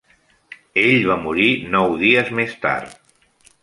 Ell va morir nou dies més tard.